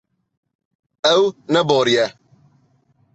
Ew neboriye.